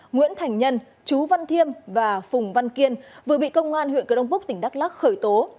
nguyễn thành nhân chú văn thiêm và phùng văn kiên vừa bị công an huyện cờ đông búc tỉnh đắk lắc khởi tố